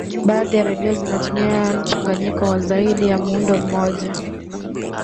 baadhi ya redio zinatumia mchanganyiko wa zaidi ya muundo mmoja